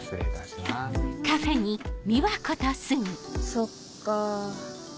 そっか。